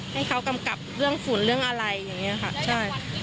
ให้เขากำกับเรื่องฝุ่นเรื่องอะไรอย่างนี้ค่ะใช่